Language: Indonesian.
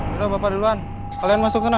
sudah bapak duluan kalian masuk sana